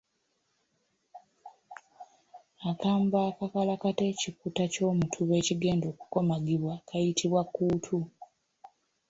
Akambe akakalakata ekikuta ky’omutuba ekigenda okukomagibwa kayitibwa kkuutu.